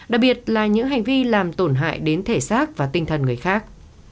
đặc biệt là những hành vi làm tổn hại đến thể xác và tinh thần người khác